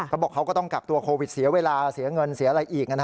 เขาบอกเขาก็ต้องกักตัวโควิดเสียเวลาเสียเงินเสียอะไรอีก